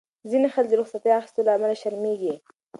ځینې خلک د رخصتۍ اخیستو له امله شرمېږي.